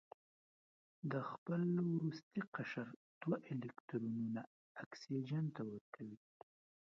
د خپل وروستي قشر دوه الکترونونه اکسیجن ته ورکوي.